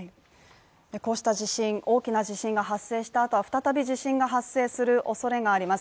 こうした大きな地震が発生したあとは再び地震が発生するおそれがあります。